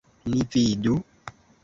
Ni vidu?